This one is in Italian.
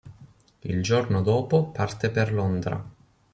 Il giorno dopo parte per Londra.